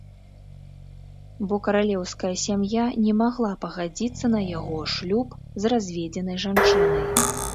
Бо каралеўская сям'я не магла пагадзіцца на яго шлюб з разведзенай жанчынай.